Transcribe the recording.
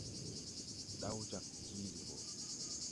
Ɗaw jag jílì mbɔ.